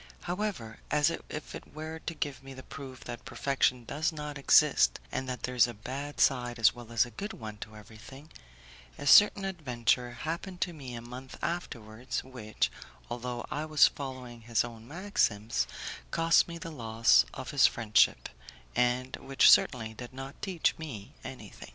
However, as if it were to give me the proof that perfection does not exist, and that there is a bad side as well as a good one to everything, a certain adventure happened to me a month afterwards which, although I was following his own maxims, cost me the loss of his friendship, and which certainly did not teach me anything.